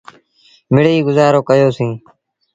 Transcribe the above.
مڙيٚئيٚ گزآرو ڪيو سيٚݩ۔